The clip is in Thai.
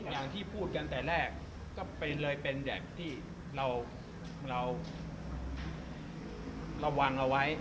อย่างที่พูดกันแต่แรกก็เลยเป็นแบบที่เราระวังเอาไว้